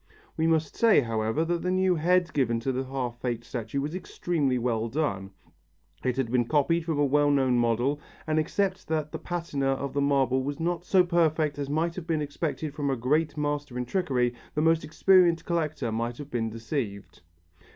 We must say, however, that the new head given to the half faked statue was extremely well done. It had been copied from a well known model and except that the patina of the marble was not so perfect as might have been expected from a great master in trickery, the most experienced collector might have been deceived.